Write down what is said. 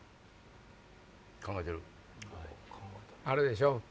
あれでしょ？